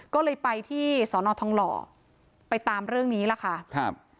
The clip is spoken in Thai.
ก็เลยไปที่สอนอทองหล่อไปตามเรื่องนี้ล่ะค่ะครับ